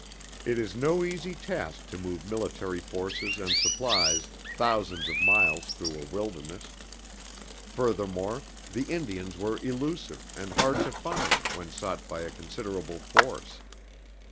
It is no easy task to move military forces and supplies thousands of miles through a wilderness. Furthermore, the Indians were elusive and hard to find when sought by a considerable force.